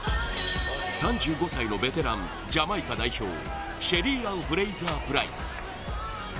３５歳のベテランジャマイカ代表シェリーアン・フレイザー・プライス。